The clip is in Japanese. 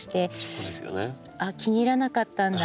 あっ気に入らなかったんだ